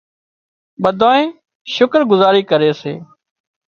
ٻڌانئين شڪر گذاري ڪري سي